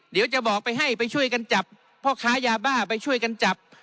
เดี๋ยวจะบอกไปให้ไปช่วยกันจับพ่อค้ายาบ้าไปช่วยกันจับ